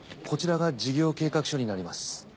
こちらが事業計画書になります。